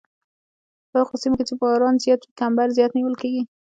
په هغو سیمو کې چې باران زیات وي کمبر زیات نیول کیږي